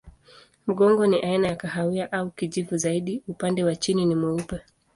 Mgongo ni aina ya kahawia au kijivu zaidi, upande wa chini ni mweupe.